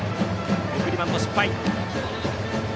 送りバント失敗。